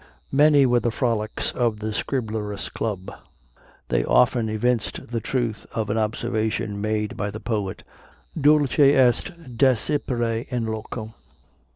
Many were the frolics of the Scriblerus Club. They often evinced the truth of an observation made by the poet, "dulce est desipere in loco."